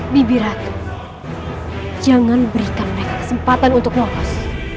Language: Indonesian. bibirat jangan berikan mereka kesempatan untuk nolos